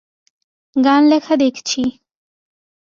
গান লেখা দেখছি।